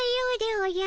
おじゃ？